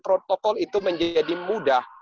protokol itu menjadi mudah